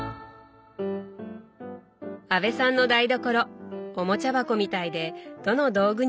阿部さんの台所おもちゃ箱みたいでどの道具にも意味がありそう。